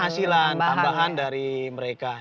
penghasilan tambahan dari mereka